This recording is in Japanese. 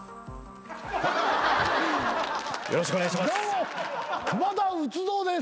よろしくお願いします。